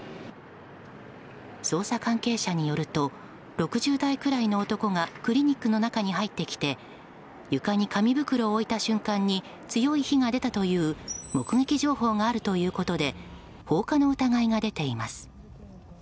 捜査関係者によると６０代くらいの男がクリニックの中に入ってきて床に紙袋を置いた瞬間に強い火が出たという目撃情報があるということで放火の疑いが出ています。